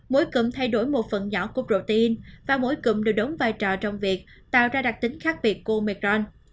mỗi cụm thay đổi một phần nhỏ của protein và mỗi cụm đều đóng vai trò trong việc tạo ra đặc tính khác biệt của mecron